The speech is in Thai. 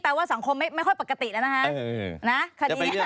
ว่าสังคมไม่ค่อยปกติแล้วนะคะ